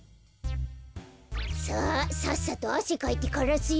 さあさっさとあせかいてからすよ。